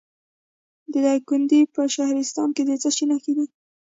د دایکنډي په شهرستان کې د څه شي نښې دي؟